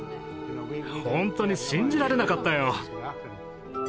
ほんとに信じられなかったよ。